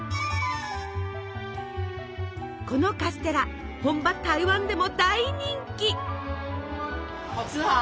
このカステラ本場台湾でも大人気。